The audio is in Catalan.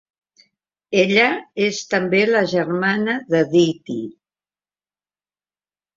Ella és també la germana d'Aditi.